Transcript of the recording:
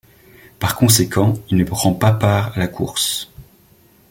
Par conséquent, il ne prend pas part à la course.